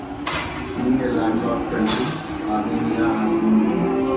Being a landlocked country, Armenia has no navy.